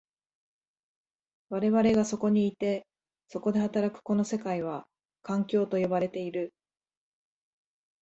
我々がそこにいて、そこで働くこの世界は、環境と呼ばれている。